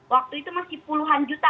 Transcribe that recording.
waktu itu masih puluhan juta